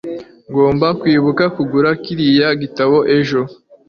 ngomba kwibuka kugura kiriya gitabo ejo